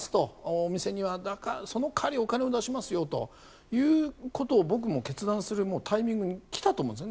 お店にはその代わりお金を出しますよということを僕も決断するタイミングに来たと思うんですね。